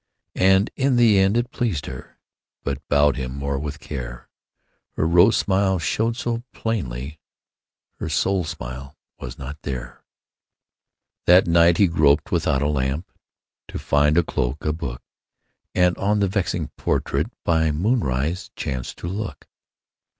And in the end it pleased her, But bowed him more with care. Her rose smile showed so plainly, Her soul smile was not there. That night he groped without a lamp To find a cloak, a book, And on the vexing portrait By moonrise chanced to look.